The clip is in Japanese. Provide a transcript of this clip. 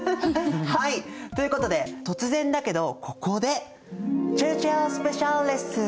はい！ということで突然だけどここでちぇるちぇるスペシャルレッスン。